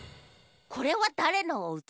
これはだれのおうち？